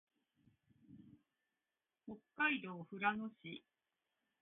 北海道富良野市